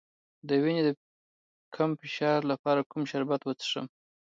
د وینې د کم فشار لپاره کوم شربت وڅښم؟